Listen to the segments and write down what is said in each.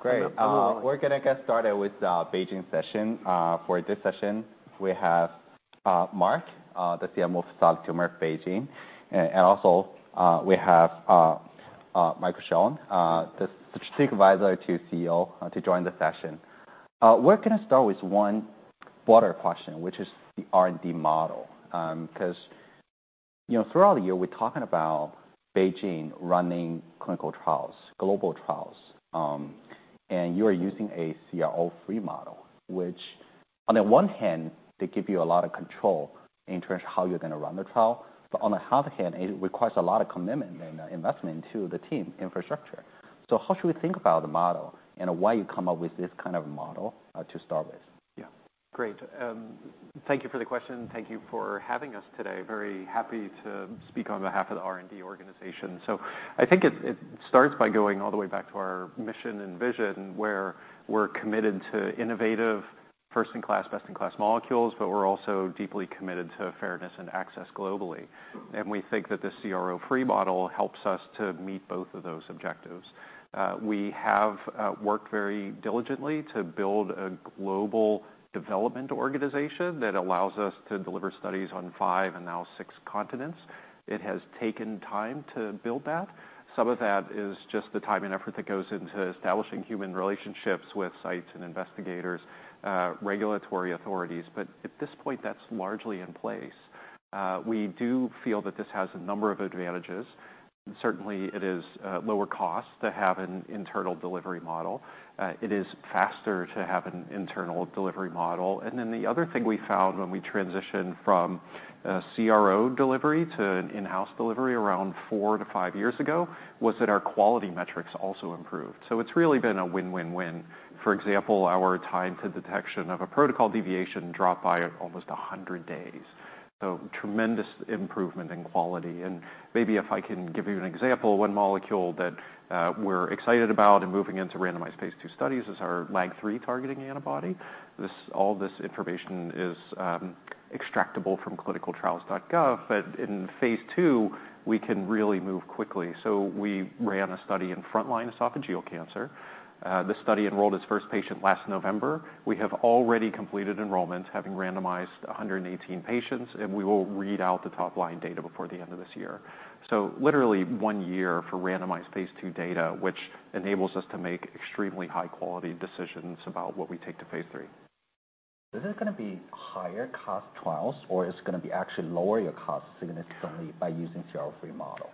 Great. We're gonna get started with the BeiGene session. For this session, we have Mark, the CMO of Solid Tumor BeiGene, and also we have Mike Schoen, the strategic advisor to CEO, to join the session. We're gonna start with one broader question, which is the R&D model. 'Cause, you know, throughout the year, we're talking about BeiGene running clinical trials, global trials, and you are using a CRO-free model, which on the one hand, they give you a lot of control in terms of how you're gonna run the trial, but on the other hand, it requires a lot of commitment and investment to the team infrastructure. So how should we think about the model, and why you come up with this kind of model, to start with? Yeah. Great. Thank you for the question. Thank you for having us today. Very happy to speak on behalf of the R&D organization. So I think it, it starts by going all the way back to our mission and vision, where we're committed to innovative, first-in-class, best-in-class molecules, but we're also deeply committed to fairness and access globally. And we think that this CRO-free model helps us to meet both of those objectives. We have worked very diligently to build a global development organization that allows us to deliver studies on 5, and now 6 continents. It has taken time to build that. Some of that is just the time and effort that goes into establishing human relationships with sites and investigators, regulatory authorities, but at this point, that's largely in place. We do feel that this has a number of advantages. Certainly, it is lower cost to have an internal delivery model. It is faster to have an internal delivery model. And then the other thing we found when we transitioned from CRO delivery to an in-house delivery around four to five years ago was that our quality metrics also improved. So it's really been a win, win, win. For example, our time to detection of a protocol deviation dropped by almost 100 days, so tremendous improvement in quality. And maybe if I can give you an example, one molecule that we're excited about and moving into randomized phase II studies is our LAG-3 targeting antibody. All this information is extractable from clinicaltrials.gov, but in phase II, we can really move quickly. So we ran a study in frontline esophageal cancer. The study enrolled its first patient last November. We have already completed enrollment, having randomized 118 patients, and we will read out the top line data before the end of this year. So literally one year for randomized phase II data, which enables us to make extremely high quality decisions about what we take to phase III. Is this gonna be higher cost trials or it's gonna be actually lower your costs significantly by using CRO-free model?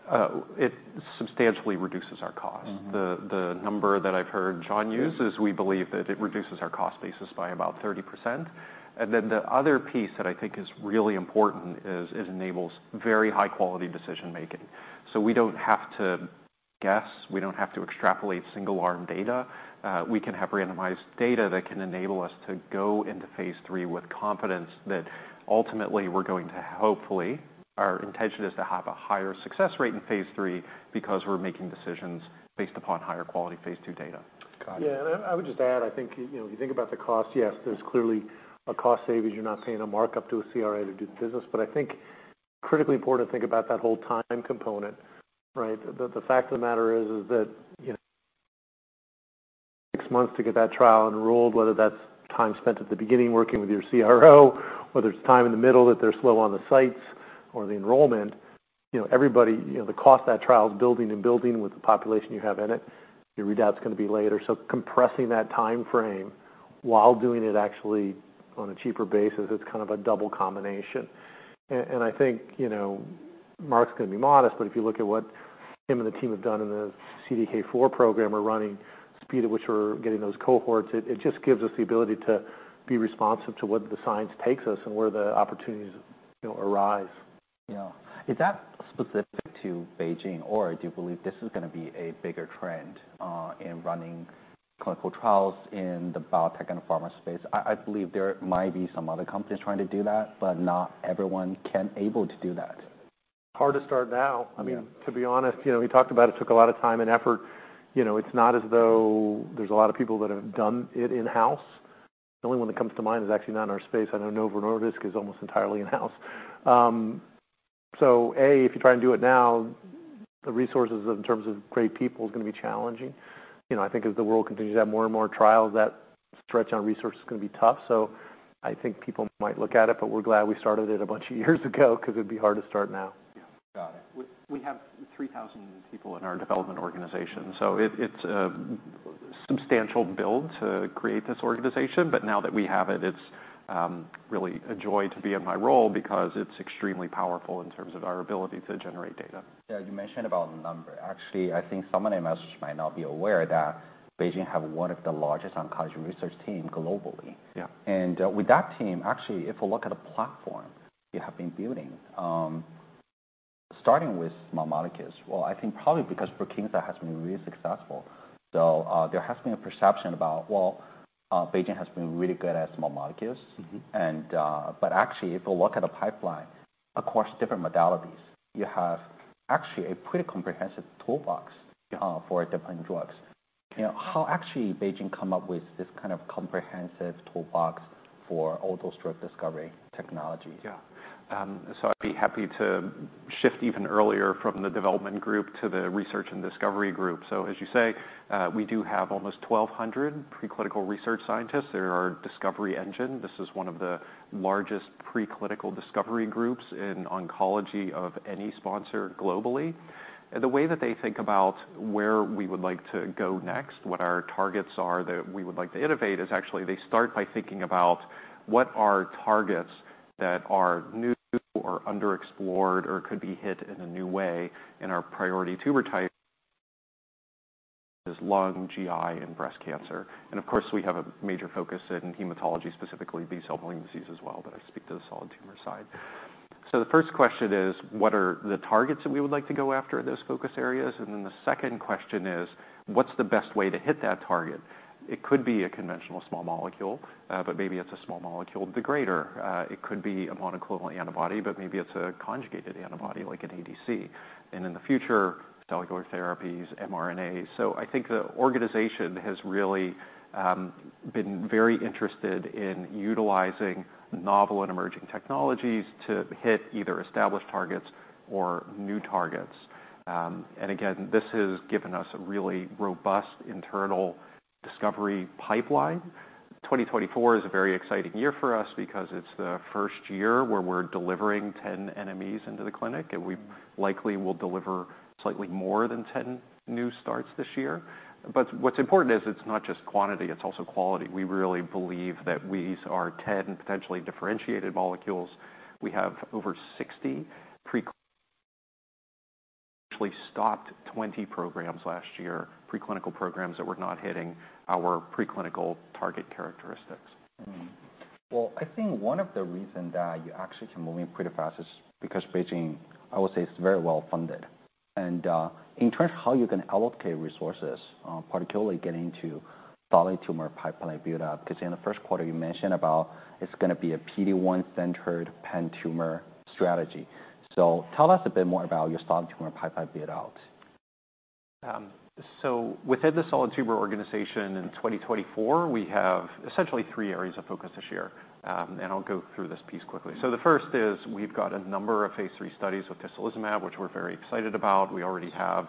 It substantially reduces our cost. Mm-hmm. The number that I've heard John use is we believe that it reduces our cost basis by about 30%. Then the other piece that I think is really important is it enables very high quality decision-making. We don't have to guess, we don't have to extrapolate single-arm data. We can have randomized data that can enable us to go into phase III with confidence that ultimately we're going to hopefully, our intention is to have a higher success rate in phase III, because we're making decisions based upon higher quality phase II data. Got it. Yeah, and I would just add, I think you know, if you think about the cost, yes, there's clearly a cost savings. You're not paying a markup to a CRO to do the business, but I think critically important to think about that whole time component, right? The fact of the matter is that you know, six months to get that trial enrolled, whether that's time spent at the beginning working with your CRO, or there's time in the middle that they're slow on the sites or the enrollment, you know, everybody you know, the cost of that trial is building and building with the population you have in it. Your readout's gonna be later. So compressing that timeframe while doing it actually on a cheaper basis, it's kind of a double combination. I think, you know, Mark's gonna be modest, but if you look at what him and the team have done in the CDK4 program, are running, speed at which we're getting those cohorts, it just gives us the ability to be responsive to where the science takes us and where the opportunities, you know, arise. Yeah. Is that specific to BeiGene, or do you believe this is gonna be a bigger trend in running clinical trials in the biotech and pharma space? I believe there might be some other companies trying to do that, but not everyone can able to do that. Hard to start now. Yeah. I mean, to be honest, you know, we talked about it took a lot of time and effort. You know, it's not as though there's a lot of people that have done it in-house. The only one that comes to mind is actually not in our space. I know Novo Nordisk is almost entirely in-house. So A, if you try and do it now, the resources in terms of great people is gonna be challenging. You know, I think as the world continues to have more and more trials, that stretch on resources is gonna be tough. So I think people might look at it, but we're glad we started it a bunch of years ago because it'd be hard to start now. Yeah. Got it. We, we have 3,000 people in our development organization, so it's a substantial build to create this organization. But now that we have it, it's really a joy to be in my role because it's extremely powerful in terms of our ability to generate data. Yeah, you mentioned about the number. Actually, I think some of the investors might not be aware that BeiGene have one of the largest oncology research team globally. Yeah. With that team, actually, if we look at the platform you have been building, starting with small molecules. Well, I think probably because BRUKINSA has been really successful. So, there has been a perception about, well, BeiGene has been really good at small molecules. Mm-hmm. And, but actually, if you look at the pipeline across different modalities, you have actually a pretty comprehensive toolbox for different drugs. You know, how actually BeiGene come up with this kind of comprehensive toolbox for all those drug discovery technologies? Yeah. So I'd be happy to shift even earlier from the development group to the research and discovery group. So as you say, we do have almost 1,200 preclinical research scientists. They're our discovery Amgen. This is one of the largest preclinical discovery groups in oncology of any sponsor globally. And the way that they think about where we would like to go next, what our targets are that we would like to innovate, is actually they start by thinking about what are targets that are new or underexplored or could be hit in a new way, and our priority tumor type is lung, GI, and breast cancer. And of course, we have a major focus in hematology, specifically B-cell malignancies as well, but I speak to the solid tumor side. So the first question is, what are the targets that we would like to go after in those focus areas? And then the second question is, what's the best way to hit that target? It could be a conventional small molecule, but maybe it's a small molecule degrader. It could be a monoclonal antibody, but maybe it's a conjugated antibody, like an ADC. And in the future, cellular therapies, mRNAs. So I think the organization has really been very interested in utilizing novel and emerging technologies to hit either established targets or new targets. And again, this has given us a really robust internal discovery pipeline. 2024 is a very exciting year for us because it's the first year where we're delivering 10 NMEs into the clinic, and we likely will deliver slightly more than 10 new starts this year. What's important is it's not just quantity, it's also quality. We really believe that these are 10 potentially differentiated molecules. We have over 60 pre- actually stopped 20 programs last year, preclinical programs that were not hitting our preclinical target characteristics. Mm-hmm. Well, I think one of the reason that you actually can move in pretty fast is because BeiGene, I would say, is very well funded. And in terms of how you're gonna allocate resources, particularly getting to solid tumor pipeline build up, 'cause in the first quarter, you mentioned about it's gonna be a PD-1-centered pan-tumor strategy. So tell us a bit more about your solid tumor pipeline build out. Within the solid tumor organization in 2024, we have essentially three areas of focus this year, and I'll go through this piece quickly. The first is we've got a number of phase III studies with tislelizumab, which we're very excited about. We already have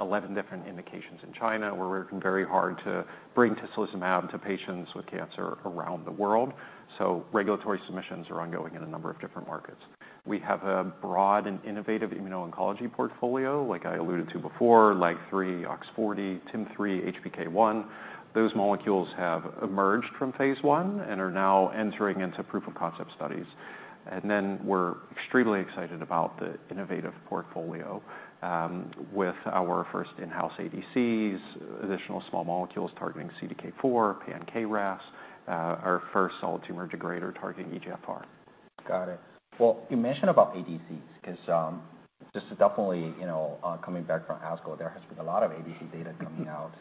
11 different indications in China. We're working very hard to bring tislelizumab to patients with cancer around the world, so regulatory submissions are ongoing in a number of different markets. We have a broad and innovative immuno-oncology portfolio, like I alluded to before, LAG-3, OX-40, TIM-3, HPK1. Those molecules have emerged from phase I and are now entering into proof of concept studies. We're extremely excited about the innovative portfolio with our first in-house ADCs, additional small molecules targeting CDK4, KRAS, our first solid tumor degrader targeting EGFR. Got it. Well, you mentioned about ADCs, 'cause this is definitely, you know, coming back from ASCO, there has been a lot of ADC data coming out.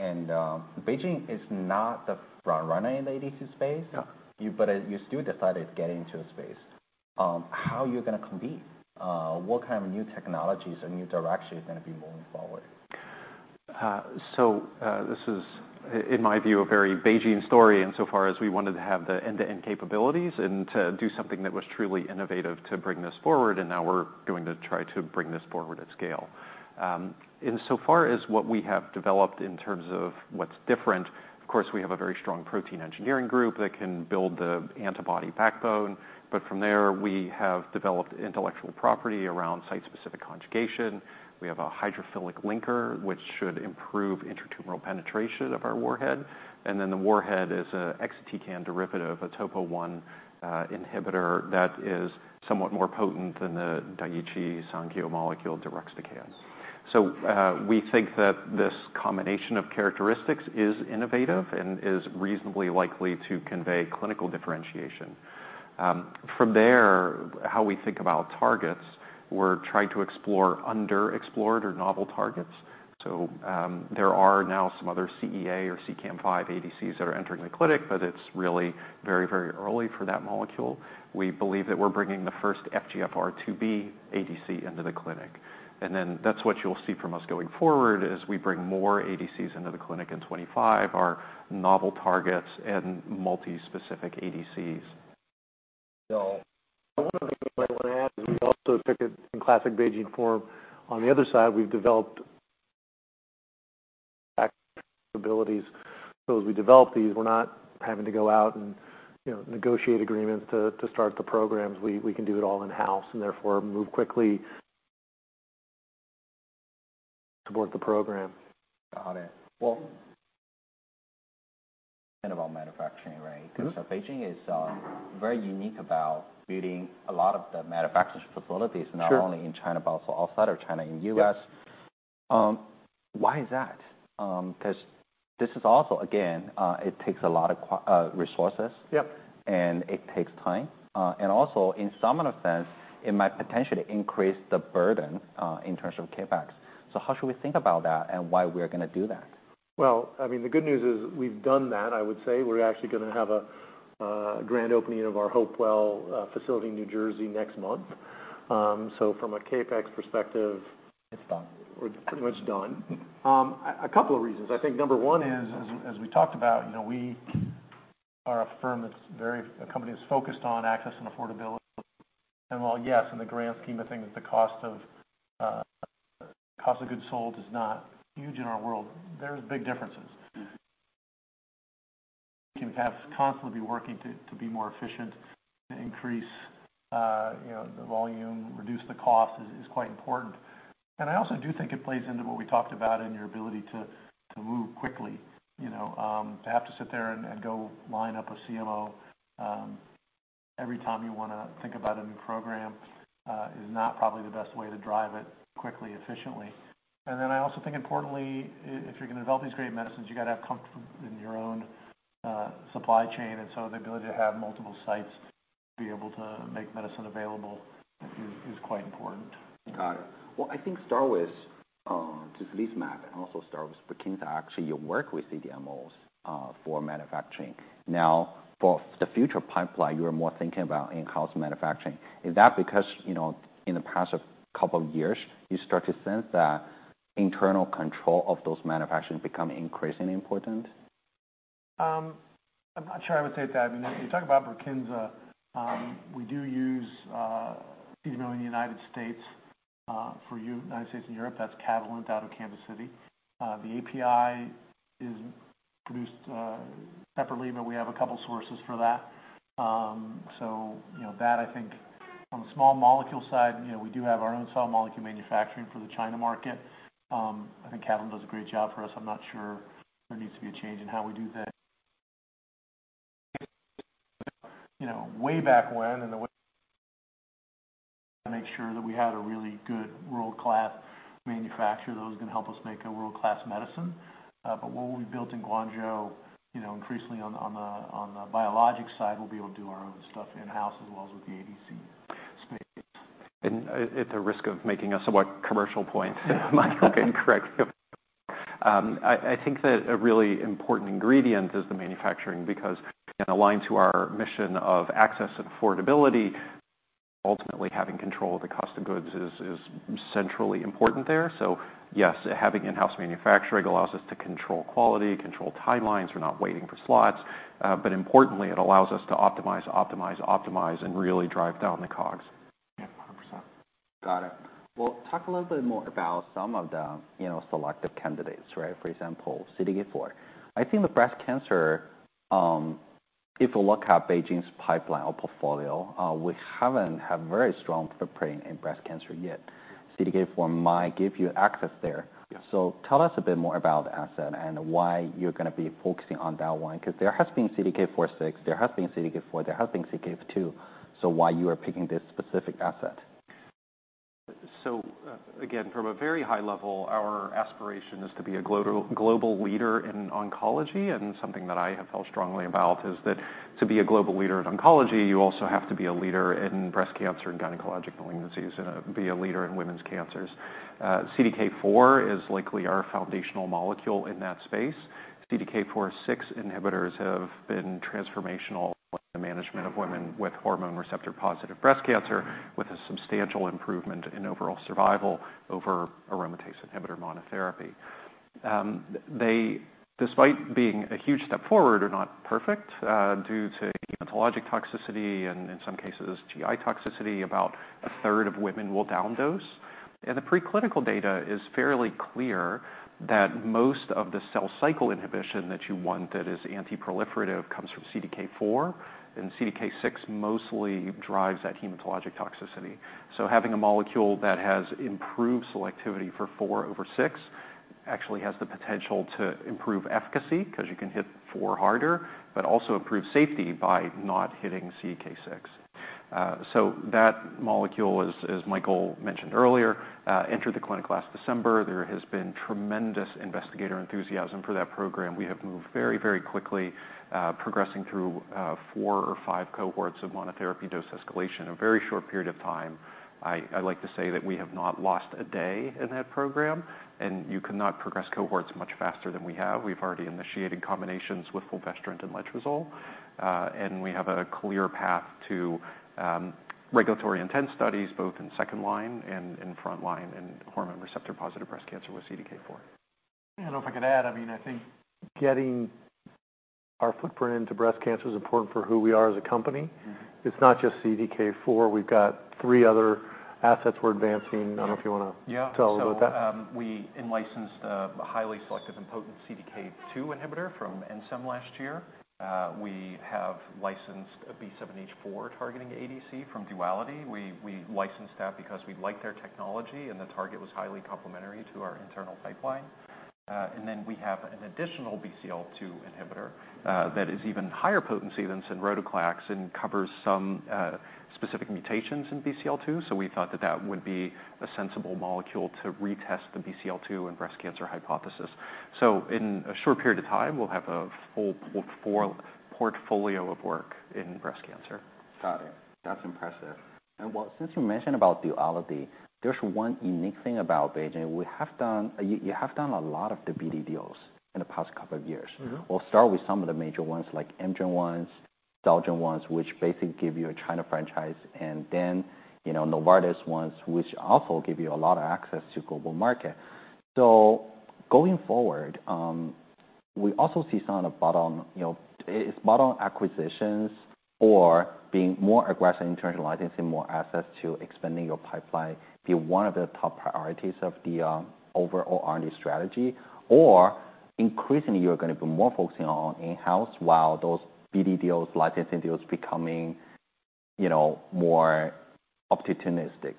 Mm-hmm. BeiGene is not the front runner in the ADC space. No. You, but you still decided to get into the space. How you're gonna compete? What kind of new technologies or new direction is gonna be moving forward? So, this is, in my view, a very BeiGene story, in so far as we wanted to have the end-to-end capabilities and to do something that was truly innovative to bring this forward, and now we're going to try to bring this forward at scale. Insofar as what we have developed in terms of what's different, of course, we have a very strong protein engineering group that can build the antibody backbone, but from there, we have developed intellectual property around site-specific conjugation. We have a hydrophilic linker, which should improve intratumoral penetration of our warhead. And then the warhead is a exatecan derivative, a topo I inhibitor that is somewhat more potent than the Daiichi Sankyo molecule, deruxtecan. So, we think that this combination of characteristics is innovative and is reasonably likely to convey clinical differentiation. From there, how we think about targets, we're trying to explore underexplored or novel targets. So, there are now some other CEA or CEACAM5 ADCs that are entering the clinic, but it's really very, very early for that molecule. We believe that we're bringing the first FGFR2b ADC into the clinic, and then that's what you'll see from us going forward as we bring more ADCs into the clinic in 2025, our novel targets and multi-specific ADCs. So one of the things I want to add is we also took it in classic BeiGene form. On the other side, we've developed abilities. So as we develop these, we're not having to go out and, you know, negotiate agreements to start the programs. We can do it all in-house and therefore move quickly to support the program. Got it. Well, and about manufacturing, right? Mm-hmm. So BeiGene is very unique about building a lot of the manufacturing facilities- Sure... not only in China, but also outside of China, in U.S. Yeah. Why is that? 'Cause this is also, again, it takes a lot of resources. Yep. It takes time. And also, in some sense, it might potentially increase the burden in terms of CapEx. So how should we think about that and why we're gonna do that? Well, I mean, the good news is we've done that. I would say we're actually gonna have a grand opening of our Hopewell facility in New Jersey next month. So from a CapEx perspective- It's done. We're pretty much done. A couple of reasons. I think number one is, as we talked about, you know, we are a firm that's very a company that's focused on access and affordability. And while, yes, in the grand scheme of things, the cost of cost of goods sold is not huge in our world, there's big differences. Mm-hmm. Can have constantly be working to be more efficient, to increase, you know, the volume, reduce the cost is quite important. And I also do think it plays into what we talked about in your ability to move quickly, you know. To have to sit there and go line up a CMO every time you wanna think about a new program is not probably the best way to drive it quickly, efficiently. And then I also think, importantly, if you're gonna develop these great medicines, you gotta have comfort in your own supply chain, and so the ability to have multiple sites to be able to make medicine available is quite important. Got it. Well, I think start with tislelizumab, and also start with BRUKINSA. Actually, you work with CDMOs for manufacturing. Now, for the future pipeline, you're more thinking about in-house manufacturing. Is that because, you know, in the past couple of years, you start to sense that internal control of those manufacturing become increasingly important? I'm not sure I would say that. I mean, when you talk about BRUKINSA, we do use CDMO in the United States for United States and Europe, that's Catalent out of Kansas City. The API is produced separately, but we have a couple sources for that. So you know, that I think from the small molecule side, you know, we do have our own small molecule manufacturing for the China market. I think Catalent does a great job for us. I'm not sure there needs to be a change in how we do that. You know, way back when, and the way to make sure that we had a really good world-class manufacturer, those can help us make a world-class medicine. But what we built in Guangzhou, you know, increasingly on the biologic side, we'll be able to do our own stuff in-house as well as with the ADC space. And at the risk of making a somewhat commercial point, Michael can correct me. I think that a really important ingredient is the manufacturing, because in line to our mission of access and affordability, ultimately, having control of the cost of goods is centrally important there. So yes, having in-house manufacturing allows us to control quality, control timelines. We're not waiting for slots, but importantly, it allows us to optimize, optimize, optimize, and really drive down the COGS. Yeah, 100%. Got it. Well, talk a little bit more about some of the, you know, selective candidates, right? For example, CDK4. I think with breast cancer, if you look at BeiGene's pipeline or portfolio, we haven't had very strong footprint in breast cancer yet. CDK4 might give you access there. Yes. So tell us a bit more about the asset and why you're gonna be focusing on that one, because there has been CDK4/6, there has been CDK4, there has been CDK2, so why you are picking this specific asset? So, again, from a very high level, our aspiration is to be a global leader in oncology, and something that I have felt strongly about is that to be a global leader in oncology, you also have to be a leader in breast cancer and gynecologic malignancies and, be a leader in women's cancers. CDK4 is likely our foundational molecule in that space. CDK4/6 inhibitors have been transformational in the management of women with hormone receptor-positive breast cancer, with a substantial improvement in overall survival over aromatase inhibitor monotherapy. They, despite being a huge step forward, are not perfect, due to hematologic toxicity and in some cases, GI toxicity, about 1/3 of women will down dose. The preclinical data is fairly clear that most of the cell cycle inhibition that you want that is anti-proliferative, comes from CDK4, and CDK6 mostly drives that hematologic toxicity. So having a molecule that has improved selectivity for four over six, actually has the potential to improve efficacy, 'cause you can hit four harder, but also improve safety by not hitting CDK6. So that molecule, as Michael mentioned earlier, entered the clinic last December. There has been tremendous investigator enthusiasm for that program. We have moved very, very quickly, progressing through four or five cohorts of monotherapy dose escalation in a very short period of time. I'd like to say that we have not lost a day in that program, and you cannot progress cohorts much faster than we have. We've already initiated combinations with fulvestrant and letrozole. We have a clear path to regulatory intent studies, both in second line and in front line, in hormone receptor-positive breast cancer with CDK4. If I could add, I mean, I think getting our footprint into breast cancer is important for who we are as a company. Mm-hmm. It's not just CDK4, we've got three other assets we're advancing. I don't know if you wanna- Yeah. - Tell a little about that. So, we in-licensed a highly selective and potent CDK2 inhibitor from ENSEM last year. We have licensed a B7-H4 targeting ADC from Duality. We licensed that because we liked their technology, and the target was highly complementary to our internal pipeline. And then we have an additional BCL-2 inhibitor that is even higher potency than sonrotoclax and covers some specific mutations in BCL-2, so we thought that that would be a sensible molecule to retest the BCL-2 and breast cancer hypothesis. So in a short period of time, we'll have a full portfolio of work in breast cancer. Got it. That's impressive. Well, since you mentioned about Duality, there's one unique thing about BeiGene. You have done a lot of the BD deals in the past couple of years. Mm-hmm. We'll start with some of the major ones, like Amgen ones, Celgene ones, which basically give you a China franchise, and then, you know, Novartis ones, which also give you a lot of access to global market. So going forward, we also see some of the bottom, you know, it's bottom acquisitions or being more aggressive in terms of licensing, more access to expanding your pipeline, being one of the top priorities of the overall R&D strategy. Or increasingly, you're gonna be more focusing on in-house, while those BD deals, licensing deals becoming, you know, more opportunistic,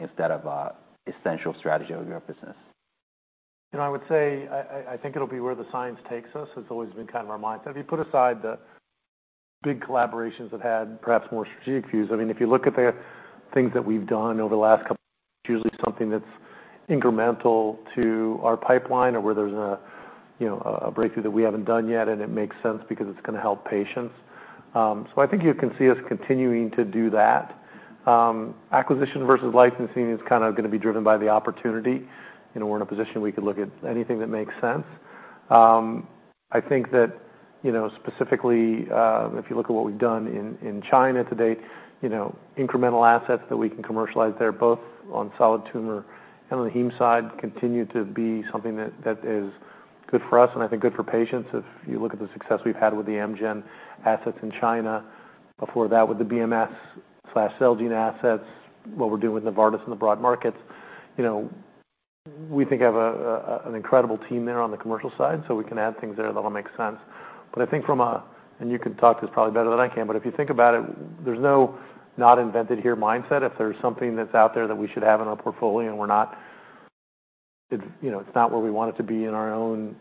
instead of an essential strategy of your business. I would say, I think it'll be where the science takes us. It's always been kind of our mindset. If you put aside the big collaborations that had perhaps more strategic views, I mean, if you look at the things that we've done over the last couple, it's usually something that's incremental to our pipeline or where there's you know, a breakthrough that we haven't done yet, and it makes sense because it's gonna help patients. So I think you can see us continuing to do that. Acquisition versus licensing is kind of gonna be driven by the opportunity. You know, we're in a position we could look at anything that makes sense. I think that, you know, specifically, if you look at what we've done in China to date, you know, incremental assets that we can commercialize there, both on solid tumor and on the heme side, continue to be something that is good for us and I think good for patients. If you look at the success we've had with the Amgen assets in China, before that, with the BMS/Celgene assets, what we're doing with Novartis in the broad markets. You know, we think we have an incredible team there on the commercial side, so we can add things there that all make sense. But I think from a... And you can talk this probably better than I can, but if you think about it, there's no not invented here mindset. If there's something that's out there that we should have in our portfolio, and we're not, you know, it's not where we want it to be in our own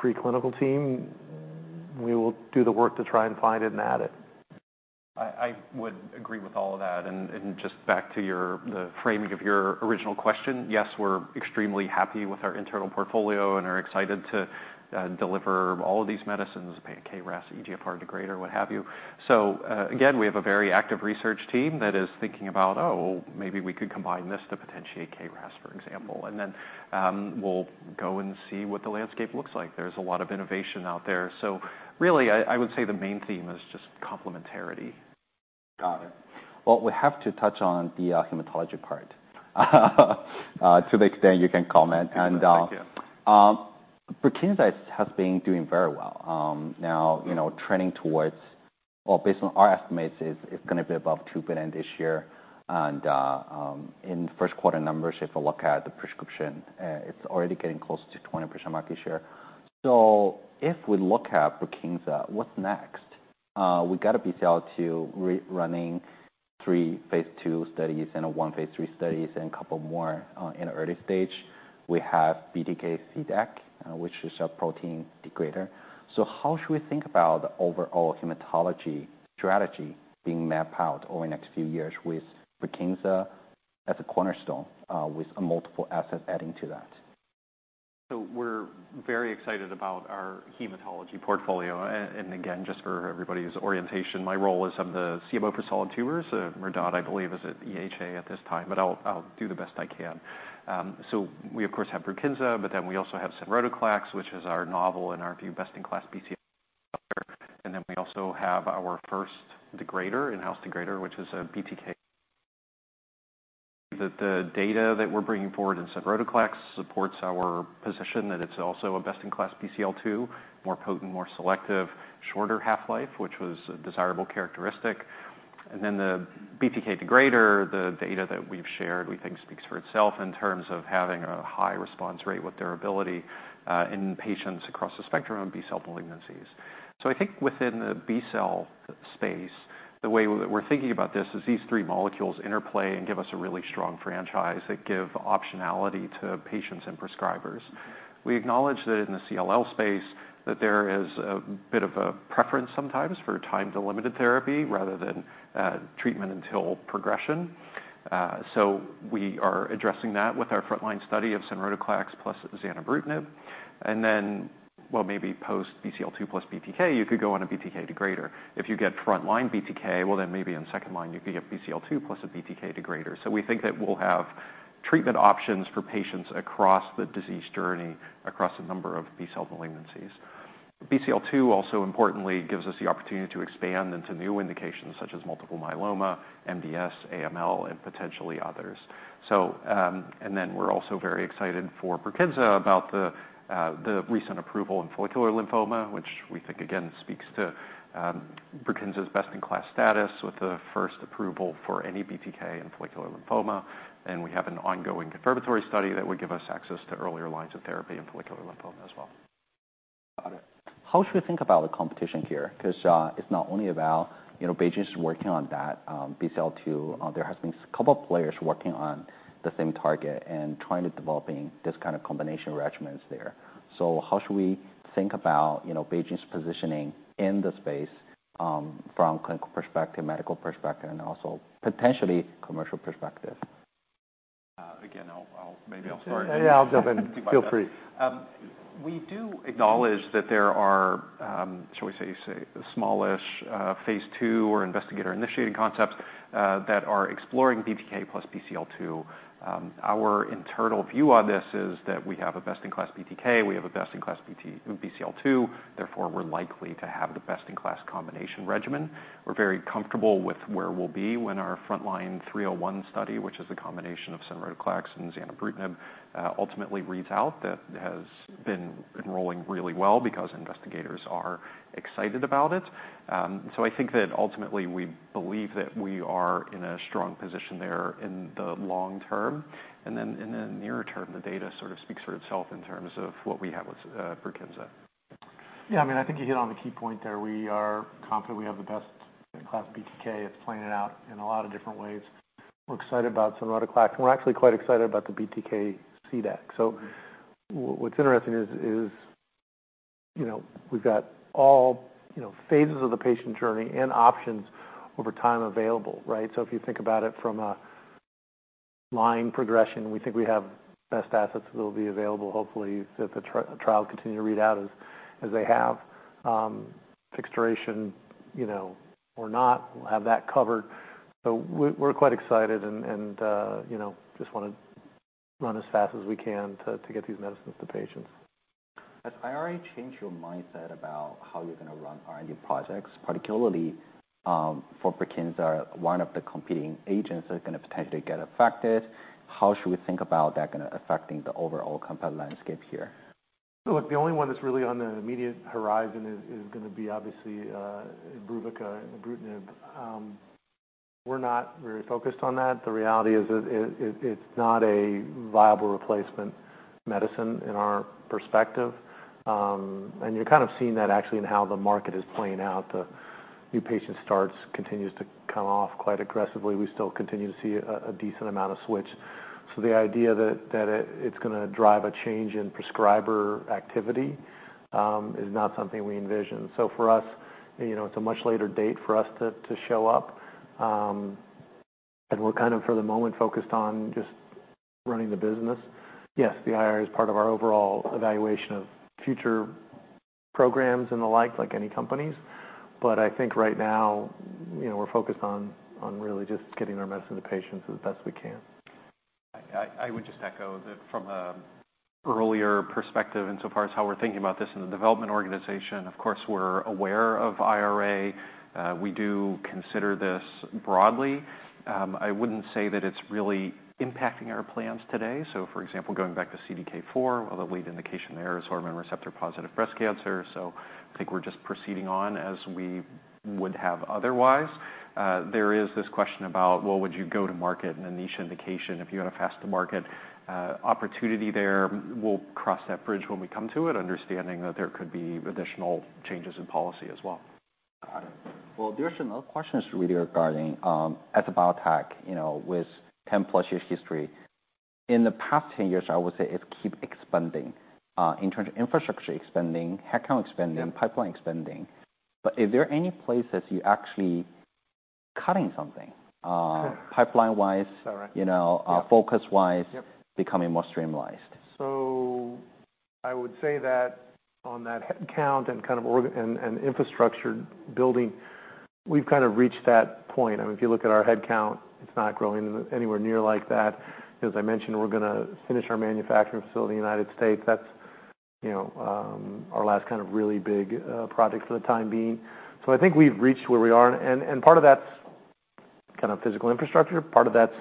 preclinical team, we will do the work to try and find it and add it. I would agree with all of that, and just back to the framing of your original question, yes, we're extremely happy with our internal portfolio and are excited to deliver all of these medicines, KRAS, EGFR degrader, what have you. So, again, we have a very active research team that is thinking about, "Oh, maybe we could combine this to potentiate KRAS," for example. And then, we'll go and see what the landscape looks like. There's a lot of innovation out there. So really, I would say the main theme is just complementarity. Got it. Well, we have to touch on the hematology part, to the extent you can comment. Thank you. BRUKINSA has been doing very well. Now, you know, trending towards or based on our estimates, it's gonna be above $2 billion this year. In first quarter numbers, if you look at the prescription, it's already getting close to 20% market share. So if we look at BRUKINSA, what's next? We've got a BCL-2 we're running three phase II studies and one phase III studies, and a couple more in the early stage. We have BTK CDAC, which is a protein degrader. So how should we think about the overall hematology strategy being mapped out over the next few years with BRUKINSA as a cornerstone, with multiple assets adding to that? So we're very excited about our hematology portfolio. And again, just for everybody's orientation, my role is I'm the CMO for solid tumors. Mehrdad, I believe, is at EHA at this time, but I'll do the best I can. So we, of course, have BRUKINSA, but then we also have sonrotoclax, which is our novel, in our view, best-in-class BCL-2. And then we also have our first degrader, in-house degrader, which is a BTK. The data that we're bringing forward in sonrotoclax supports our position that it's also a best-in-class BCL-2, more potent, more selective, shorter half-life, which was a desirable characteristic. And then the BTK degrader, the data that we've shared, we think speaks for itself in terms of having a high response rate with durability, in patients across the spectrum of B-cell malignancies. So I think within the B-cell space, the way we're thinking about this is these three molecules interplay and give us a really strong franchise that give optionality to patients and prescribers. We acknowledge that in the CLL space, that there is a bit of a preference sometimes for time to limited therapy rather than treatment until progression. So we are addressing that with our frontline study of sonrotoclax plus zanubrutinib. And then, well, maybe post BCL-2 plus BTK, you could go on a BTK degrader. If you get frontline BTK, well, then maybe on second line, you could get BCL-2 plus a BTK degrader. So we think that we'll have treatment options for patients across the disease journey, across a number of B-cell malignancies. BCL-2 also importantly gives us the opportunity to expand into new indications such as multiple myeloma, MDS, AML, and potentially others. So, and then we're also very excited for BRUKINSA, about the recent approval in follicular lymphoma, which we think again speaks to BRUKINSA's best-in-class status with the first approval for any BTK in follicular lymphoma. And we have an ongoing confirmatory study that would give us access to earlier lines of therapy in follicular lymphoma as well. Got it. How should we think about the competition here? Because it's not only about, you know, BeiGene is working on that BCL-2. There has been a couple of players working on the same target and trying to develop this kind of combination regimens there. So how should we think about, you know, BeiGene's positioning in the space, from clinical perspective, medical perspective, and also potentially commercial perspective? Again, maybe I'll start. Yeah, I'll jump in. Feel free. We do acknowledge that there are, shall we say, smallish, phase II or investigator-initiated concepts that are exploring BTK plus BCL-2. Our internal view on this is that we have a best-in-class BTK, we have a best-in-class BCL-2, therefore, we're likely to have the best-in-class combination regimen. We're very comfortable with where we'll be when our frontline 301 study, which is the combination of sonrotoclax and zanubrutinib, ultimately reads out. That has been enrolling really well because investigators are excited about it. So I think that ultimately, we believe that we are in a strong position there in the long term, and then in the nearer term, the data sort of speaks for itself in terms of what we have with BRUKINSA. Yeah, I mean, I think you hit on the key point there. We are confident we have the best-in-class BTK. It's playing it out in a lot of different ways. We're excited about some sonrotoclax, and we're actually quite excited about the BTK CDAC. So what's interesting is, you know, we've got all, you know, phases of the patient journey and options over time available, right? So if you think about it from a line progression, we think we have best assets that will be available, hopefully, if the trial continue to read out as they have. fixed duration, you know, or not, we'll have that covered. So we're quite excited and, you know, just wanna run as fast as we can to get these medicines to patients. Has IRA changed your mindset about how you're gonna run R&D projects, particularly, for BRUKINSA, one of the competing agents that are gonna potentially get affected? How should we think about that gonna affecting the overall competitive landscape here? Look, the only one that's really on the immediate horizon is gonna be obviously IMBRUVICA and ibrutinib. We're not very focused on that. The reality is that it's not a viable replacement medicine in our perspective. And you're kind of seeing that actually in how the market is playing out. The new patient starts continues to come off quite aggressively. We still continue to see a decent amount of switch. So the idea that it's gonna drive a change in prescriber activity is not something we envision. So for us, you know, it's a much later date for us to show up. And we're kind of, for the moment, focused on just running the business. Yes, the IRA is part of our overall evaluation of future programs and the like, like any companies, but I think right now, you know, we're focused on really just getting our medicine to patients as best we can. I would just echo that from an earlier perspective and so far as how we're thinking about this in the development organization, of course, we're aware of IRA. We do consider this broadly. I wouldn't say that it's really impacting our plans today. So for example, going back to CDK4, well, the lead indication there is hormone receptor-positive breast cancer, so I think we're just proceeding on as we would have otherwise. There is this question about, well, would you go to market in a niche indication if you had a path to market, opportunity there? We'll cross that bridge when we come to it, understanding that there could be additional changes in policy as well. Well, there's another question is really regarding, as a biotech, you know, with 10+ years history. In the past 10 years, I would say it keep expanding, in terms of infrastructure expanding, headcount expanding- Yep... pipeline expanding. But is there any places you're actually cutting something? Okay... pipeline-wise? All right. You know, Yep... focus-wise- Yep... becoming more streamlined? So I would say that on that headcount and kind of org and infrastructure building, we've kind of reached that point. I mean, if you look at our headcount, it's not growing anywhere near like that. As I mentioned, we're gonna finish our manufacturing facility in the United States. That's, you know, our last kind of really big project for the time being. So I think we've reached where we are, and part of that's kind of physical infrastructure, part of that's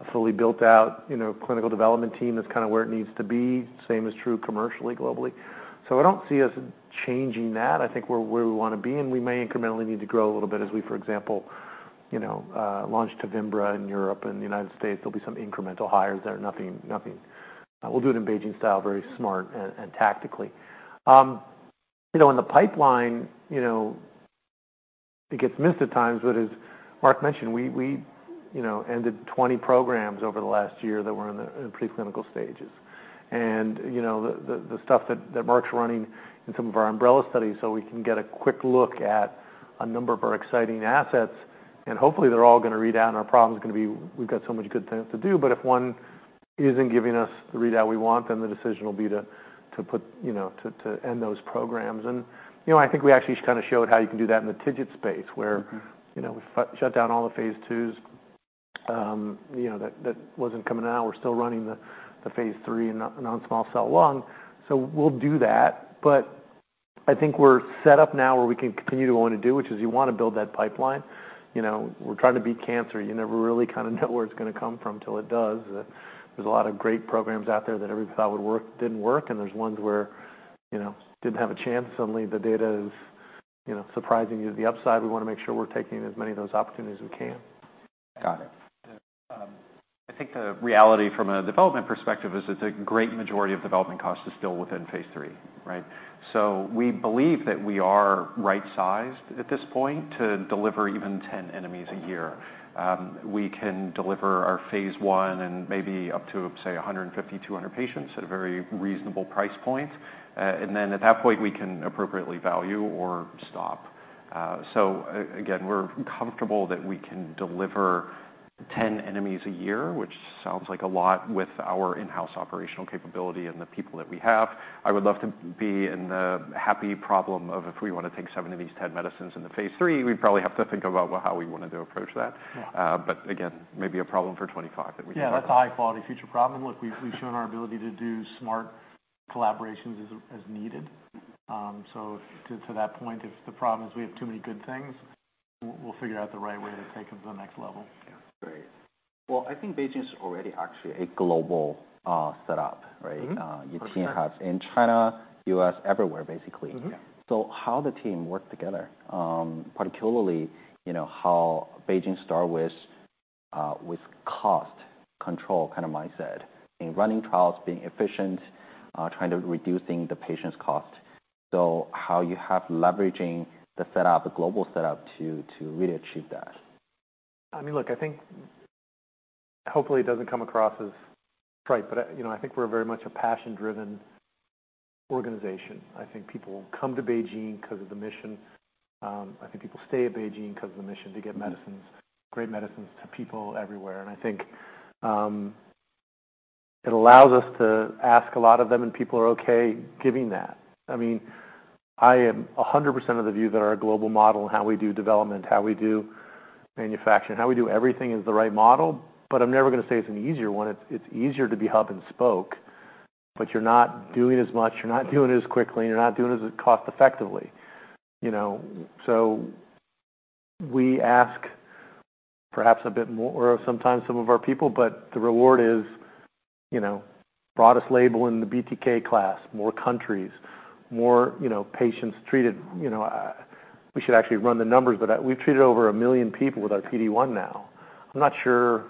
a fully built-out, you know, clinical development team. That's kind of where it needs to be. Same is true commercially, globally. So I don't see us changing that. I think we're where we wanna be, and we may incrementally need to grow a little bit as we, for example, you know, launch TEVIMBRA in Europe and the United States. There'll be some incremental hires there, nothing, nothing... We'll do it in BeiGene style, very smart and, and tactically. You know, in the pipeline, you know, it gets missed at times, but as Mark mentioned, we, we, you know, ended 20 programs over the last year that were in the, in preclinical stages. And, you know, the, the, the stuff that, that Mark's running in some of our umbrella studies, so we can get a quick look at a number of our exciting assets, and hopefully they're all gonna read out and our problems are gonna be, we've got so much good things to do. But if one isn't giving us the readout we want, then the decision will be to, to put, you know, to, to end those programs. You know, I think we actually kind of showed how you can do that in the TIGIT space, where- Mm-hmm... you know, we shut down all the phase II, you know, that, that wasn't coming out. We're still running the, the phase III in non-small cell lung, so we'll do that. But I think we're set up now where we can continue to want to do, which is you wanna build that pipeline. You know, we're trying to beat cancer. You never really kind of know where it's gonna come from till it does. There's a lot of great programs out there that everybody thought would work, didn't work, and there's ones where, you know, didn't have a chance. Suddenly the data is, you know, surprising you to the upside. We wanna make sure we're taking as many of those opportunities as we can. Got it. I think the reality from a development perspective is that the great majority of development cost is still within phase III, right? So we believe that we are right-sized at this point to deliver even 10 NMEs a year. We can deliver our phase I and maybe up to, say, 150-200 patients at a very reasonable price point. And then at that point, we can appropriately value or stop. So again, we're comfortable that we can deliver 10 NMEs a year, which sounds like a lot with our in-house operational capability and the people that we have. I would love to be in the happy problem of, if we want to take seven of these 10 medicines into phase III, we'd probably have to think about, well, how we wanted to approach that. Yeah. But again, maybe a problem for 25 that we- Yeah, that's a high-quality future problem. Look, we've shown our ability to do smart collaborations as needed. So to that point, if the problem is we have too many good things, we'll figure out the right way to take them to the next level. Yeah. Great. Well, I think BeiGene is already actually a global setup, right? Mm-hmm. Your team has in China, U.S., everywhere, basically. Mm-hmm. Yeah. So how the team work together, particularly, you know, how BeiGene start with, with cost control kind of mindset in running trials, being efficient, trying to reducing the patient's cost. So how you have leveraging the setup, the global setup, to really achieve that? I mean, look, I think hopefully it doesn't come across as trite, but, you know, I think we're very much a passion-driven organization. I think people come to BeiGene because of the mission. I think people stay at BeiGene because of the mission to get medicines, great medicines to people everywhere. And I think, it allows us to ask a lot of them, and people are okay giving that. I mean, I am 100% of the view that our global model and how we do development, how we do manufacturing, how we do everything is the right model, but I'm never gonna say it's an easier one. It's easier to be hub and spoke, but you're not doing as much, you're not doing it as quickly, and you're not doing it as cost effectively. You know, so we ask perhaps a bit more sometimes some of our people, but the reward is, you know, broadest label in the BTK class, more countries, more, you know, patients treated. You know, we should actually run the numbers, but we've treated over 1 million people with our PD-1 now. I'm not sure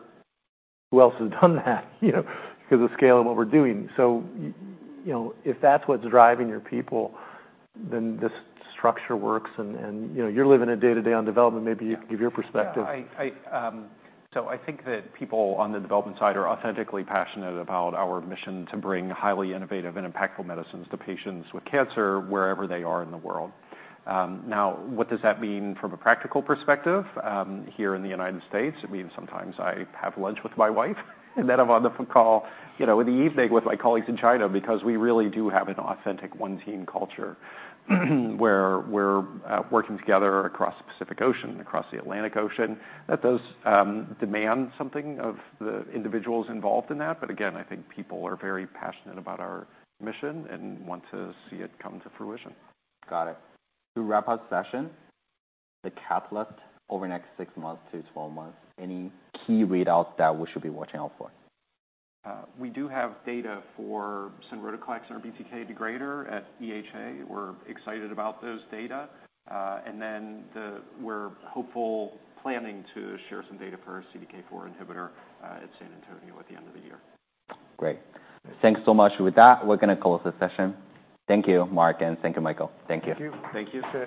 who else has done that, you know, because the scale of what we're doing. So you know, if that's what's driving your people, then this structure works. And, you know, you're living it day to day on development. Maybe you can give your perspective. Yeah. So I think that people on the development side are authentically passionate about our mission to bring highly innovative and impactful medicines to patients with cancer wherever they are in the world. Now, what does that mean from a practical perspective? Here in the United States, it means sometimes I have lunch with my wife, and then I'm on the call, you know, in the evening with my colleagues in China, because we really do have an authentic one-team culture, where we're working together across the Pacific Ocean and across the Atlantic Ocean. That does demand something of the individuals involved in that. But again, I think people are very passionate about our mission and want to see it come to fruition. Got it. To wrap up session, the catalyst over the next six to 12 months, any key readouts that we should be watching out for? We do have data for sonrotoclax, our BTK degrader, at EHA. We're excited about those data. And then we're hopeful, planning to share some data for our CDK4 inhibitor, at San Antonio at the end of the year. Great. Thanks so much. With that, we're gonna close the session. Thank you, Mark, and thank you, Michael. Thank you. Thank you. Thank you.